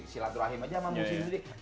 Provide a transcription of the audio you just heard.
si laturahim aja sama musik sendiri